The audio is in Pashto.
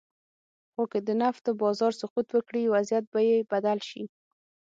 خو که د نفتو بازار سقوط وکړي، وضعیت به یې بدل شي.